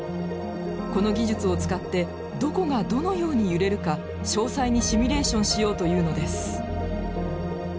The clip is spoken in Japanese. この技術を使ってどこがどのように揺れるか詳細にシミュレーションしようというのです。